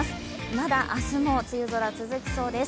まだ明日も梅雨空続きそうです。